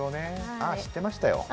あぁ、知ってましたよ。